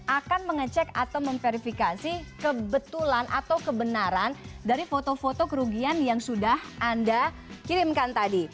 akan mengecek atau memverifikasi kebetulan atau kebenaran dari foto foto kerugian yang sudah anda kirimkan tadi